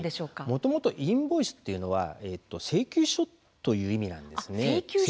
もともとインボイスというのは請求書という意味なんです。